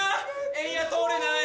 エンヤ通れない！